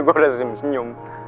gue udah senyum senyum